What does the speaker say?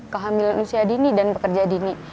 kehamilan usia dini dan pekerja dini